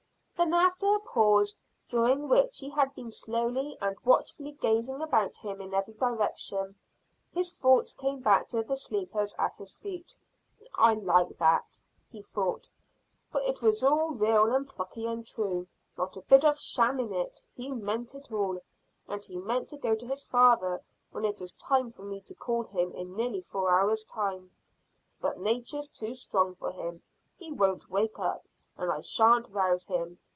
Then after a pause, during which he had been slowly and watchfully gazing about him in every direction, his thoughts came back to the sleepers at his feet. "I like that," he thought, "for it was all real and plucky and true. Not a bit of sham in it. He meant it all, and he meant to go to his father when it was time for me to call him in nearly four hours' time. But nature's too strong for him. He won't wake up, and I shan't rouse him.